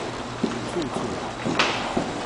眵眵